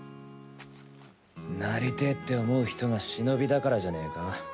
なりてぇって思う人が忍だからじゃねえか？